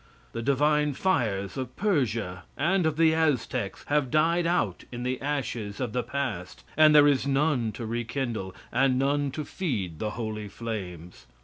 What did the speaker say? The divine fires of Persia and of the Aztecs, have died out in the ashes of the past, and there is none to rekindle, and none to feed the holy flames.